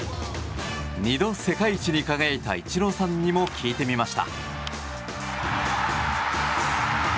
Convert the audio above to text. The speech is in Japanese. ２度、世界一に輝いたイチローさんにも聞いてみました。